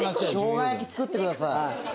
生姜焼き作ってください。